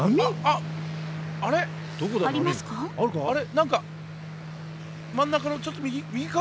何か真ん中のちょっと右か？